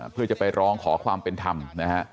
เพื่อจะไปร้องขอความเป็นธรรมนะฮะ